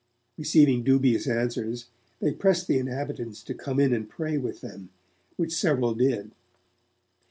Receiving dubious answers, they pressed the inhabitants to come in and pray with them, which several did.